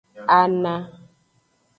Ana.